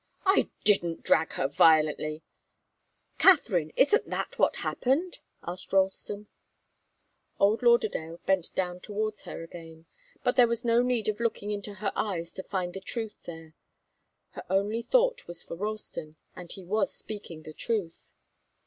"I didn't drag her violently " "Katharine isn't that what happened?" asked Ralston. Old Lauderdale bent down towards her again but there was no need of looking into her eyes to find the truth there. Her only thought was for Ralston, and he was speaking the truth.